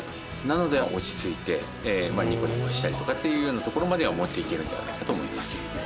なので落ち着いてまあニコニコしたりとかっていうようなところまでは持っていけるんではないかと思います。